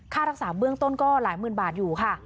ค่ารักษาเบื้องต้นก็หลายหมื่นบาทอยู่ค่ะ